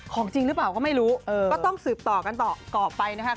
ของจริงหรือเปล่าก็ไม่รู้ก็ต้องสืบต่อกันต่อไปนะครับ